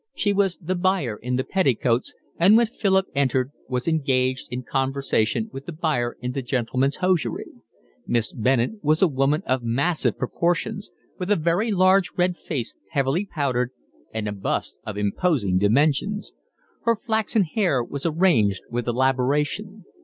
She was the buyer in the 'Petticoats,' and when Philip entered was engaged in conversation with the buyer in the 'Gentlemen's Hosiery;' Miss Bennett was a woman of massive proportions, with a very large red face heavily powdered and a bust of imposing dimensions; her flaxen hair was arranged with elaboration.